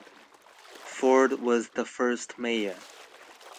Ford was the first mayor.